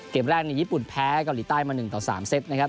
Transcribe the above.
เกมแรกนี้ญี่ปุ่นแพ้เกาหลีใต้มา๑ต่อ๓เซตนะครับ